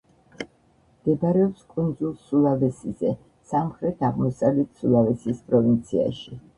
მდებარეობს კუნძულ სულავესიზე, სამხრეთ-აღმოსავლეთ სულავესის პროვინციაში.